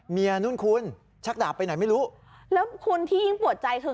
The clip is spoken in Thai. เมียนู่นคุณชักดาบไปไหนไม่รู้แล้วคุณที่ยิ่งปวดใจคือ